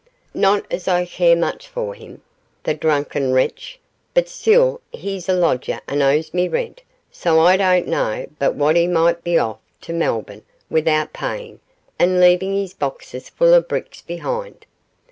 Not as I care much for him the drunken wretch but still he's a lodger and owes me rent, so I don't know but what he might be off to Melbourne without paying, and leaving his boxes full of bricks behind.